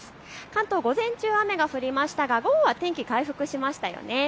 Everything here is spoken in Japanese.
関東、午前中、雨が降りましたが午後は天気回復しましたよね。